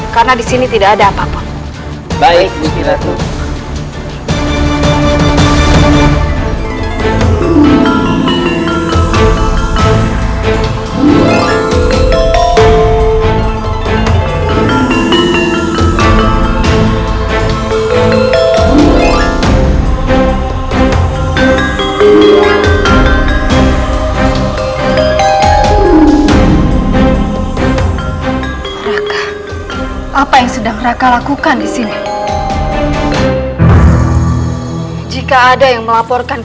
karena di sini tidak ada apapun